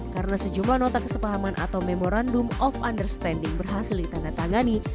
karena sejumlah nota kesepahaman atau memorandum of understanding berhasil ditandatangani